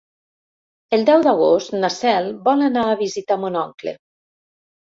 El deu d'agost na Cel vol anar a visitar mon oncle.